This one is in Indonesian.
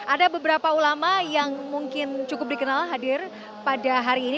ada beberapa ulama yang mungkin cukup dikenal hadir pada hari ini